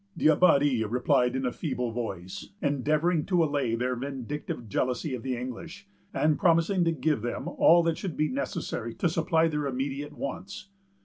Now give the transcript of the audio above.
D'Abbadie replied in a feeble voice, endeavoring to allay their vindictive jealousy of the English, and promising to give them all that should be necessary to supply their immediate wants.